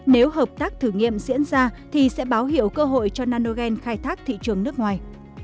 nếu hợp tác thử nghiệm diễn ra thì sẽ báo hiệu cơ hội cho nanogen khai thác thị trường nước ngoài